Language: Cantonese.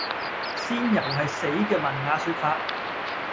仙遊係死嘅文雅說法